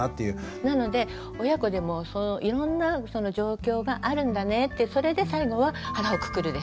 なので親子でもいろんな状況があるんだねってそれで最後は腹をくくるですよ。